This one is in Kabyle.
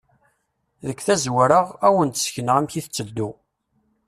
Deg tazwara, ad awen-d-sekneɣ amek i tetteddu.